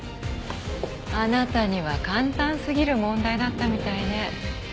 あなたには簡単すぎる問題だったみたいね。